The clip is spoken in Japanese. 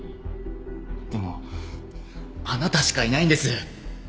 でもあなたしかいないんです。